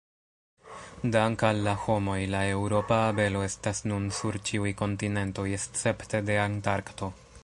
Dank'al la homoj, la eŭropa abelo estas nun sur ĉiuj kontinentoj escepte de Antarkto.